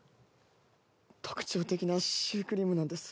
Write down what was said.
特徴的なシュークリームなんです。